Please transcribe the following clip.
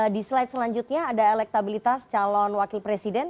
di slide selanjutnya ada elektabilitas calon wakil presiden